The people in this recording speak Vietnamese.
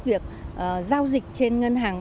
việc giao dịch trên ngân hàng